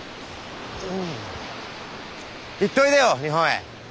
行っておいでよ日本へ。